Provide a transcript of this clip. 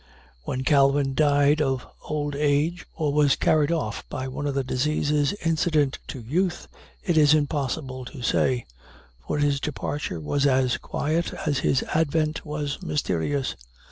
Whether Calvin died of old age, or was carried off by one of the diseases incident to youth, it is impossible to say; for his departure was as quiet as his advent was mysterious.